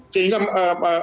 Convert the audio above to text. sehingga apa terima kasih